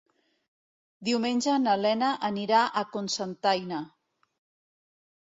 Diumenge na Lena anirà a Cocentaina.